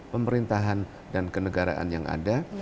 pemerintahan dan kenegaraan yang ada